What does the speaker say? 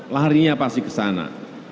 larinya pasti ke sana